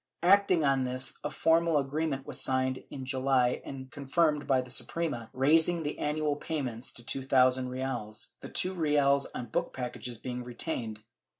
Acting on this, a formal agreement was signed in July and confirmed by the Suprema, raising the annual payment to two thousand reales, the two reales on book packages being retained.